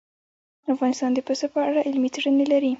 افغانستان د پسه په اړه علمي څېړنې لري.